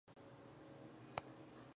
دوی به اوبه بیا نیسي.